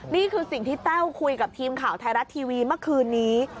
นี่คือสิ่งที่แต้วคุยกับทีมข่าวไทยรัฐทีวีเมื่อคืนนี้